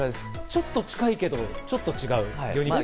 ちょっと近いけど、ちょっと違う。